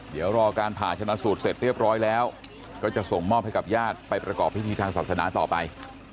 เดี๋ยวรอการผ่าชนะสูตรเสร็จเรียบร้อยแล้วก็จะส่งมอบให้กับญาติไปประกอบพิธีทางศาสนาต่อไป